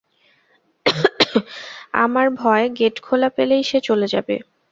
আমার ভয়, গেট খোলা পেলেই সে চলে যাবে।